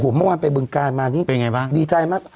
เมื่อวานไปเบืองกายมาดีใจมาก